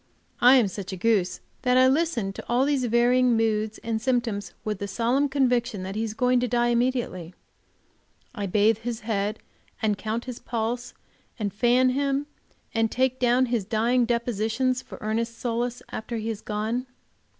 I am such a goose that I listen to all these varying moods and symptoms with the solemn conviction that he is going to die immediately; I bathe his head, and count his pulse, and fan him, and take down his dying depositions for Ernest's solace after he has gone.